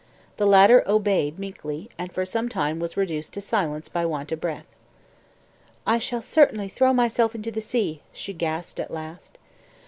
The latter obeyed meekly, and for some time was reduced to silence by want of breath. "I shall certainly throw myself into the sea," she gasped at last.